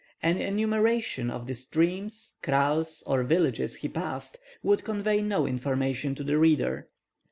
An enumeration of the streams, kraals, or villages he passed would convey no information to the reader.